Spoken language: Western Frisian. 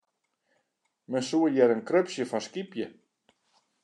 Men soe hjir in krupsje fan skypje.